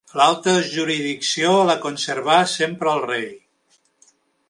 L'alta jurisdicció la conservà sempre el rei.